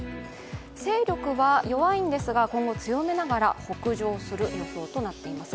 勢力は弱いんですが、今後、強めながら北上する予報となっています。